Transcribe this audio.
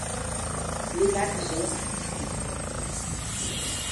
Le lac gèle à partir de fin octobre.